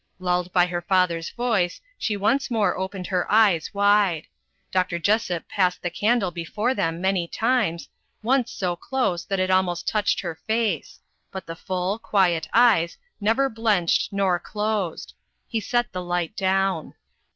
Lulled by her father's voice she once more opened her eyes wide. Dr. Jessop passed the candle before them many times, once so close that it almost touched her face; but the full, quiet eyes, never blenched nor closed. He set the light down.